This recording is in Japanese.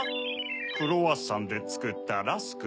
クロワッサンでつくったラスクです。